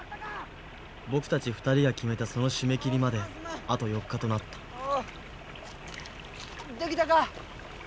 僕たち２人が決めたその締め切りまであと４日となったできたか？